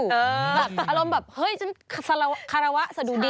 แบบอารมณ์แบบเฮ้ยฉันคารวะสะดุดี